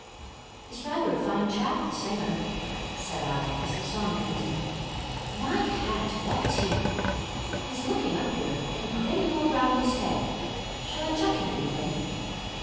"He's rather a fine chap, the singer," said I, as the song ended. "My hat, what teeth! He's looking up here, and grinning all round his head; shall I chuck him anything?"